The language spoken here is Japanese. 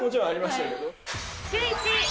シューイチ！